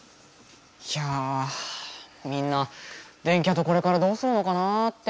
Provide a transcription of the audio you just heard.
いやぁみんな電キャとこれからどうするのかなぁって。